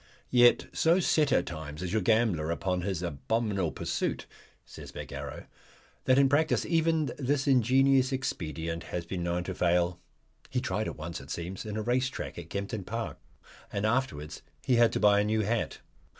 "Yet so set at times is your gambler upon his abominable pursuit," says Bagarrow, "that in practice even this ingenious expedient has been known to fail." He tried it once, it seems, in a race train to Kempton Park, and afterwards he had to buy a new hat.